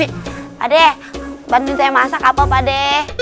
pak ade bantu saya masak apa pak ade